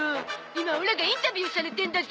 今オラがインタビューされてんだゾ！